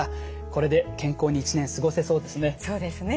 これで健康に一年過ごせそうですね。